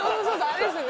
あれですよね。